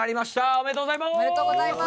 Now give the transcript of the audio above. おめでとうございます。